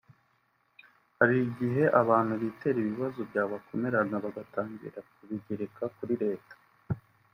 Hari igihe abantu bitera ibibazo byabakomerana bagatangira kubigereka kuri Leta